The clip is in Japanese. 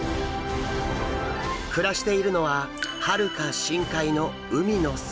暮らしているのははるか深海の海の底。